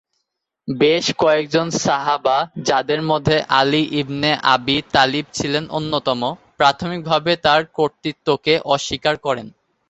বেশ কয়েকজন সাহাবা, যাঁদের মধ্যে আলী ইবনে আবী তালিব ছিলেন অন্যতম, প্রাথমিকভাবে তাঁর কর্তৃত্বকে অস্বীকার করেন।